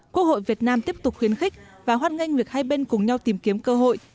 quốc hội việt nam tiếp tục khuyến khích và hoan nghênh việc hai bên cùng nhau tìm kiếm cơ hội